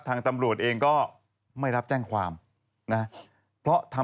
ทางตำรวจเองก็ไม่รับแจ้งความนะ